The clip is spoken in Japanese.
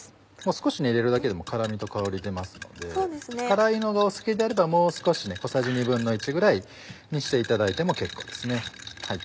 少し入れるだけでも辛みと香り出ますので辛いのがお好きであればもう少し小さじ１／２ぐらいにしていただいても結構です。